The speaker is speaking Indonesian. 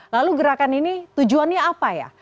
lalu gerakan ini tujuannya apa ya